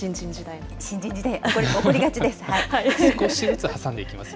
新人時代、おこりがちです。